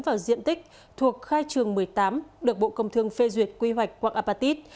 vào diện tích thuộc khai trường một mươi tám được bộ công thương phê duyệt quy hoạch quạng apatit